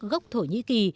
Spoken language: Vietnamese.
gốc thổ nhĩ kỳ